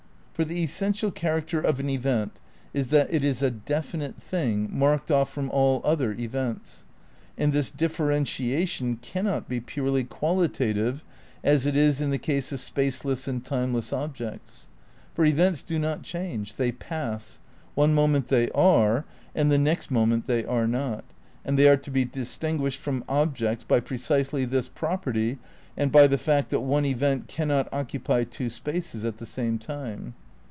For the essential char acter of an event is that it is a definite thing marked off from all other events ; and this differentiation can not be purely qualitative as it is in the case of spaceless and timeless objects; for events do not change, they pass, one moment they are and the next moment they are not, and they are to be distinguished from objects by precisely this property and by the fact that one event cannot occupy two spaces at the same time.